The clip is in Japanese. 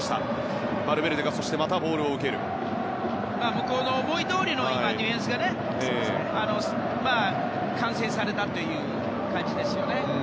向こうの思いどおりのディフェンスが完成されたという感じですよね。